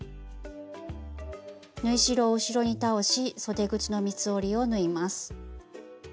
縫い代を後ろに倒しそで口の三つ折りを縫います。